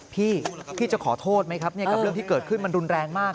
พี่พี่จะขอโทษไหมครับกับเรื่องที่เกิดขึ้นมันรุนแรงมาก